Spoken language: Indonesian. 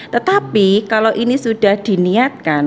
tetapi kalau ini sudah diniatkan